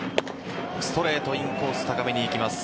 ストレートインコース高めに行きます。